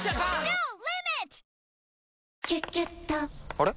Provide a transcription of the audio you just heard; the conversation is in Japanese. あれ？